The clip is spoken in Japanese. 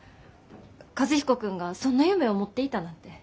和彦君がそんな夢を持っていたなんて。